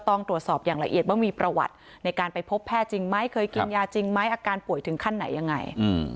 ต้องตรวจสอบอย่างละเอียดว่ามีประวัติในการไปพบแพทย์